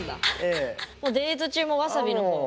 もうデート中もわさびのほう？